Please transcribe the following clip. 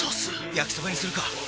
焼きそばにするか！